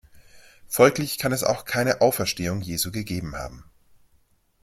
Folglich kann es auch keine Auferstehung Jesu gegeben haben.